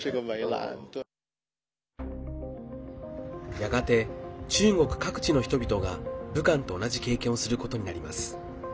やがて中国各地の人々が武漢と同じ経験をすることになります。